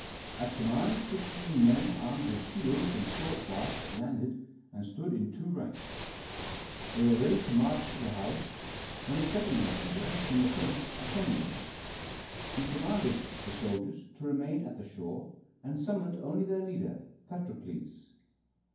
At command sixteen men armed with shields and short darts landed and stood in two ranks. They were ready to march to the house, when a second messenger from the prince detained them. He commanded the soldiers to remain at the shore, and summoned only their leader, Patrokles.